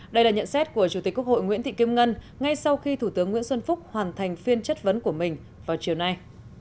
đây là nhận xét của chủ tịch quốc hội nguyễn thị kim ngân ngay sau khi thủ tướng nguyễn xuân phúc hoàn thành phiên chất vấn của mình vào chiều nay